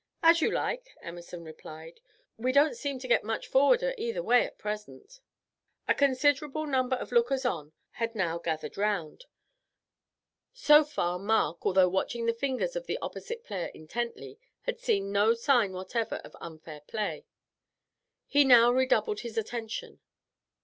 "As you like," Emerson replied. "We don't seem to get much forwarder either way at present." A considerable number of lookers on had now gathered round. So far Mark, although watching the fingers of the opposite player intently, had seen no sign whatever of unfair play. He now redoubled his attention.